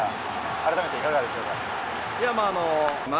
改めていかがでしょうか。